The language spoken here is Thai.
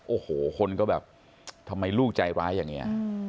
โอ้โหคนก็แบบทำไมลูกใจร้ายอย่างนี้